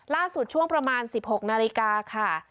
ล่าสุดช่วงประมาณ๑๖นาฬิกาค่ะ